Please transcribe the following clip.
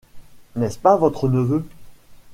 N’est-ce pas votre neveu?